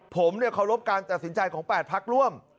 ผมเนี่ยเคารพการตัดสินใจของ๘ภักดิ์ร่วม